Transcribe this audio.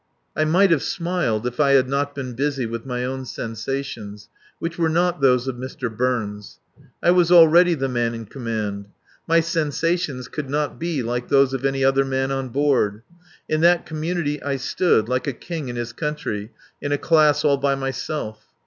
I might have smiled if I had not been busy with my own sensations, which were not those of Mr. Burns. I was already the man in command. My sensations could not be like those of any other man on board. In that community I stood, like a king in his country, in a class all by myself.